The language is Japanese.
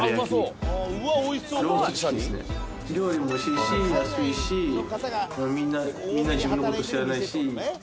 料理も美味しいし安いしみんな自分の事知らないし。